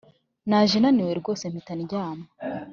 Naje naniwe rwose mpita ndyama